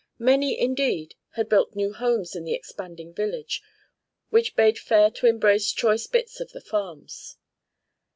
Many, indeed, had built new homes in the expanding village, which bade fair to embrace choice bits of the farms.